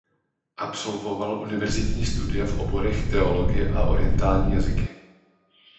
Absolvoval univerzitní studia v oborech teologie a orientální jazyky.